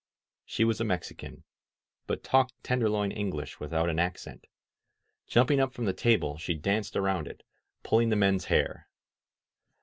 She was a Mexican, but talked Tenderloin English without an accent. Jumping upi from the table, she danced around it, pulling the men's hair.